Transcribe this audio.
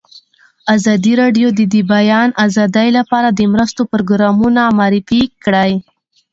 ازادي راډیو د د بیان آزادي لپاره د مرستو پروګرامونه معرفي کړي.